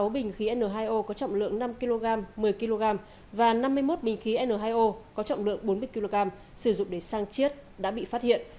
một mươi bình khí n hai o có trọng lượng năm kg một mươi kg và năm mươi một bình khí n hai o có trọng lượng bốn mươi kg sử dụng để sang chiết đã bị phát hiện